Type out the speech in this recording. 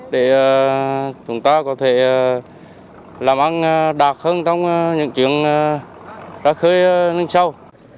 để chúng ta có thể làm ăn đạt hơn trong những chuyện ra khơi nâng sâu